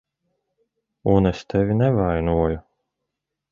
Un es tevi nevainoju.